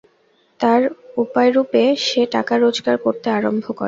তার উপায়রূপে সে টাকা রোজগার করতে আরম্ভ করে।